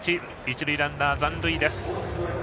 一塁ランナーは残塁です。